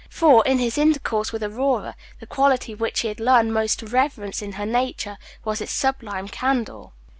For, in his intercourse with Aurora, the quality which he had learned most to reverence in her nature was its sublime candor.